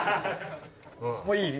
もういい？